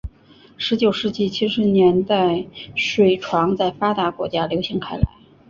十九世纪七十年代水床在发达国家流行开来。